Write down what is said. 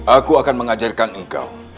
aku akan mengajarkan engkau